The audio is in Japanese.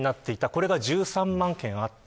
これが１３万件あった。